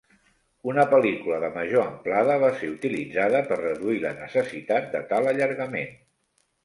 Una pel·lícula de major amplada va ser utilitzada per reduir la necessitat de tal allargament.